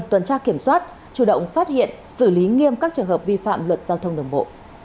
tuần tra kiểm soát chủ động phát hiện xử lý nghiêm các trường hợp vi phạm luật giao thông đường bộ